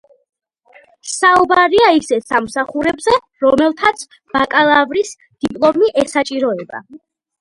საუბარია ისეთ სამსახურებზე, რომელთაც ბაკალავრის დიპლომი ესაჭიროება.